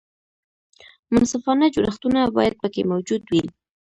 منصفانه جوړښتونه باید پکې موجود وي.